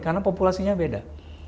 karena populasinya beda